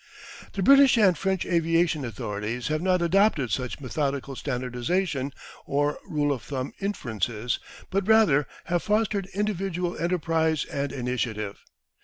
The British and French aviation authorities have not adopted such methodical standardisation or rule of thumb inferences, but rather have fostered individual enterprise and initiative.